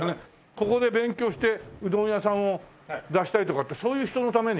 ここで勉強してうどん屋さんを出したいとかってそういう人のために？